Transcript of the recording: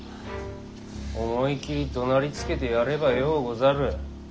思い切りどなりつけてやればようござる。